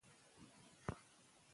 شعر د تخیل ښکلی انځور دی.